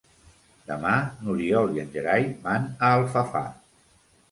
Demà n'Oriol i en Gerai van a Alfafar.